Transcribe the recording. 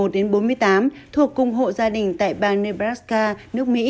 trong độ tuổi từ một mươi một đến bốn mươi tám tuổi thuộc cùng hộ gia đình tại bang nebraska nước mỹ